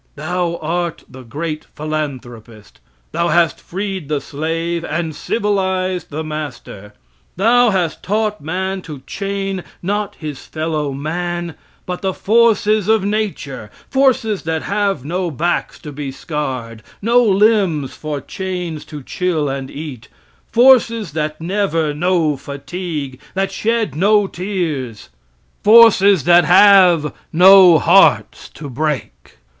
Thou art the great philanthropist. Thou hast freed the slave and civilized the master. Thou hast taught man to chain, not his fellow man, but the forces of nature forces that have no backs to be scarred, no limbs for chains to chill and eat forces that never know fatigue, that shed no tears forces that have no hearts to break.